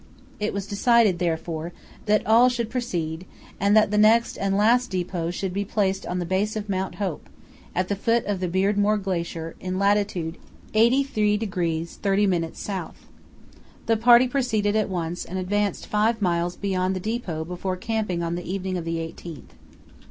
It was decided, therefore, that all should proceed, and that the next and last depot should be placed on the base of Mount Hope, at the foot of the Beardmore Glacier, in lat. 83° 30´ S. The party proceeded at once and advanced five miles beyond the depot before camping on the evening of the 18th.